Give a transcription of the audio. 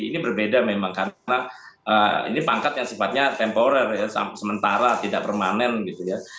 ini berbeda memang karena ini pangkat yang sifatnya temporer ya sementara tidak permanen gitu ya